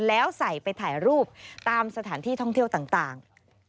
แล้วใส่ไปถ่ายรูปตามสถานที่ท่องเที่ยวต่าง